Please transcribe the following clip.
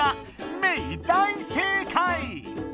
メイ大正解！